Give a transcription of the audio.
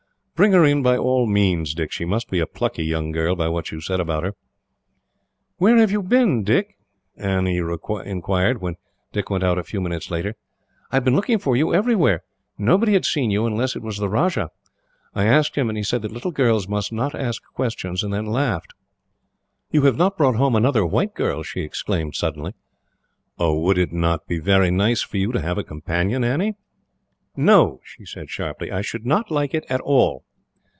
"Bring her in by all means, Dick. She must be a plucky young girl, by what you said about her." "Where have you been, Dick?" Annie inquired, when Dick went out a few minutes later. "I have been looking for you everywhere. Nobody had seen you, unless it was the Rajah. I asked him, and he said that little girls must not ask questions, and then laughed. "You have not brought home another white girl?" she exclaimed suddenly. "Would it not be very nice for you to have a companion, Annie?" "No," she said sharply; "I should not like it at all."